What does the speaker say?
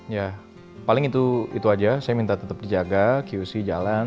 ya paling itu aja saya minta tetap dijaga qc jalan